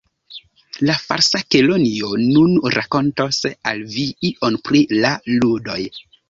"La Falsa Kelonio nun rakontos al vi ion pri la ludoj."